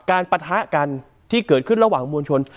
ปะทะกันที่เกิดขึ้นระหว่างมวลชน